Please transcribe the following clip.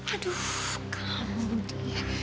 aduh kamu dia